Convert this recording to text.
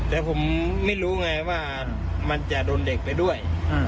แต่ผมไม่รู้ไงว่ามันจะโดนเด็กไปด้วย